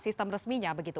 sistem resminya begitu